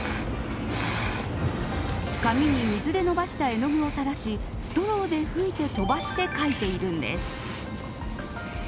紙に水でのばした絵の具を垂らしストローで吹いて飛ばして描いているんです。